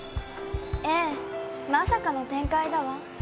ええまさかの展開だわ。